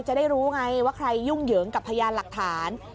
จะได้รู้ไงว่าใครยุ่งเหยิงกับพยานหลักฐาน